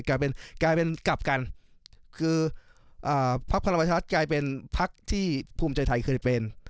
กลายเป็นกลับกันคือภักดิ์ภาระวัชฌาติกลายเป็นภักดิ์ที่ภูมิใจไทยเคยเป็น